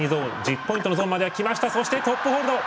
そして、トップホールド！